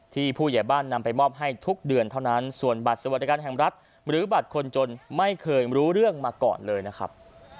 ผู้ใหญ่บ้านนำไปมอบให้ทุกเดือนเท่านั้นส่วนบัตรสวัสดิการแห่งรัฐหรือบัตรคนจนไม่เคยรู้เรื่องมาก่อนเลยนะครับ